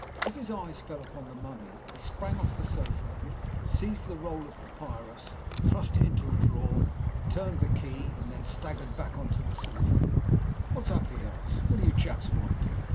As his eyes fell upon the mummy, he sprang off the sofa, seized the roll of papyrus, thrust it into a drawer, turned the key, and then staggered back on to the sofa. "What's up?" he asked. "What do you chaps want?"